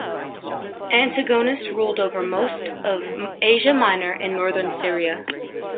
Antígonus ruled over most of Asia Minor and northern Syria.